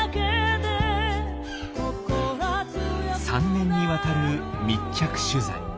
３年にわたる密着取材。